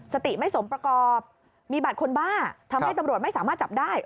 สติไม่สมประกอบมีบัตรคนบ้าทำให้ตำรวจไม่สามารถจับได้